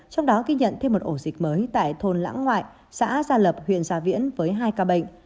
trong đó ghi nhận thêm một ổ dịch mới tại thôn lãng ngoại xã gia lập huyện gia viễn với hai ca bệnh